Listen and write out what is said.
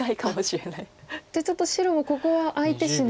じゃあちょっと白もここは相手しないと。